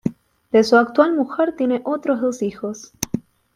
De su actual mujer tiene otros dos hijos.